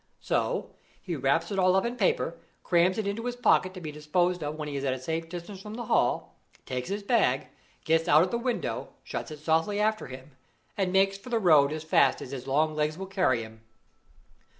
So he wraps it all up in paper, crams it into his pocket to be disposed of when he is at a safe distance from the Hall, takes his bag, gets out at the window, shuts it softly after him, and makes for the road as fast as his long legs will carry him.